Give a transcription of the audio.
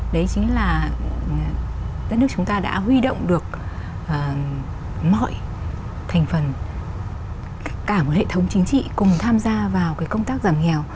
đấy chính là đất nước chúng ta đã huy động được mọi thành phần cả một hệ thống chính trị cùng tham gia vào công tác giảm nghèo